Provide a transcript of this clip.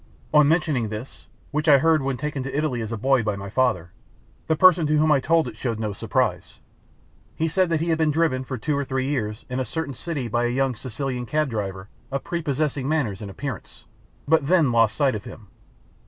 On mentioning this, which I heard when taken to Italy as a boy by my father, the person to whom I told it showed no surprise. He said that he had been driven for two or three years in a certain city by a young Sicilian cabdriver of prepossessing manners and appearance, but then lost sight of him.